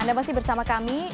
anda masih bersama kami